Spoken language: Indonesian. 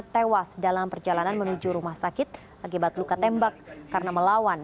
tewas dalam perjalanan menuju rumah sakit akibat luka tembak karena melawan